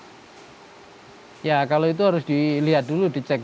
ya kalau itu harus dilihat dulu dicek